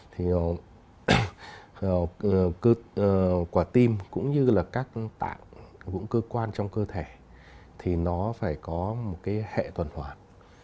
thì quả tim cũng như là các tạng các cơ quan trong cơ thể thì nó phải có một hệ tuần hoạt